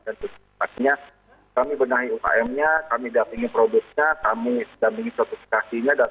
artinya kami benahi ukm nya kami dampingi produknya kami dampingi sertifikasinya